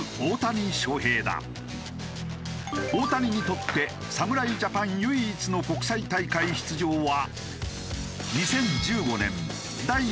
大谷にとって侍ジャパン唯一の国際大会出場は。